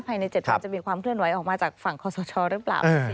ภายใน๗วันจะมีความเคลื่อนไหวออกมาจากฝั่งคอสชหรือเปล่า